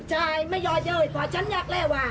ใช่ไม่ย่อเยอะไห้กว่าฉันยากแล้วว่า